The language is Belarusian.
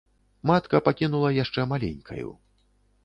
Матка пакінула яшчэ маленькаю.